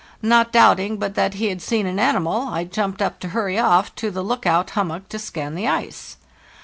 Not doubting but that he had seen an animal, | jumped up to hurry off to the lookout hum mock to scan the ice.